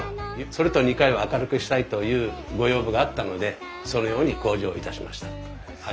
それと２階は明るくしたいというご要望があったのでそのように工事をいたしました。